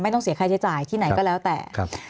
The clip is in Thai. ต้องเสียค่าใช้จ่ายที่ไหนก็แล้วแต่ครับ